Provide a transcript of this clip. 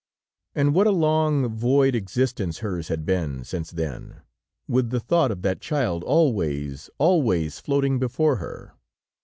And what a long, void existence hers had been since then, with the thought of that child always, always floating before her.